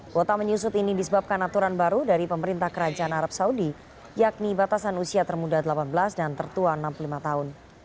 kuota menyusut ini disebabkan aturan baru dari pemerintah kerajaan arab saudi yakni batasan usia termuda delapan belas dan tertua enam puluh lima tahun